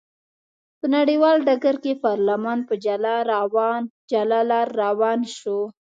په نړیوال ډګر کې پارلمان په جلا لار روان شو.